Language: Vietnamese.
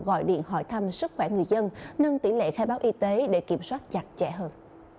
gọi điện hỏi thăm sức khỏe người dân nâng tỷ lệ khai báo y tế để kiểm soát chặt chẽ hơn